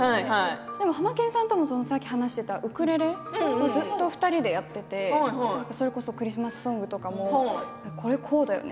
でもハマケンさんともさっき話していたウクレレをずっと２人でやっていてそれこそクリスマスソングとかもこれはこうだよね